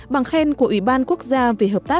bằng khen của ủy ban quốc gia